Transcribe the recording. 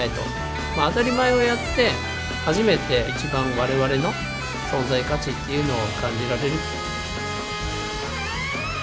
当たり前をやって初めて一番我々の存在価値っていうのを感じられる。